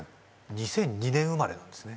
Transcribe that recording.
２００２年生まれなんですね